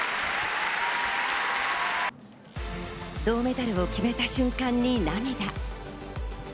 銅メダルを決めた瞬間に涙。